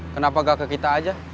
kenapa gak ke kita aja